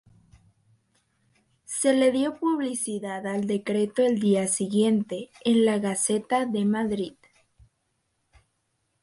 Se le dio publicidad al decreto el día siguiente, en la Gaceta de Madrid.